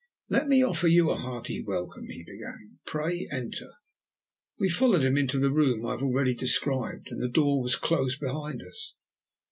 "Let me offer you a hearty welcome," he began. "Pray enter." We followed him into the room I have already described, and the door was closed behind us.